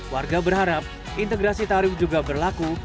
warga berharap integrasi tarif juga berlaku